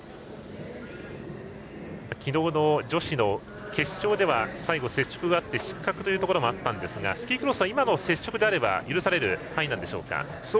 昨日の女子の決勝では最後、接触があって失格というのもあったんですがスキークロスは今の接触であれば許される範囲ですか。